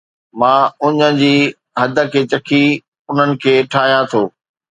مان اُڃ جي حد کي ڇڪي انهن کي ٺاهيان ٿو